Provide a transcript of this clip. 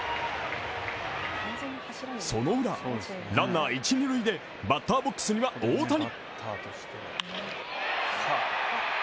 そのウラ、ランナー、一・二塁でバッターボックスには大谷。